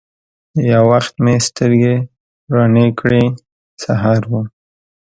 یو وخت مې سترګي روڼې کړې ! سهار و